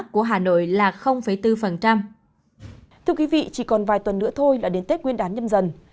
thưa quý vị chỉ còn vài tuần nữa thôi là đến tết nguyên đán nhâm dần